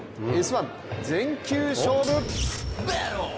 １全球勝負」。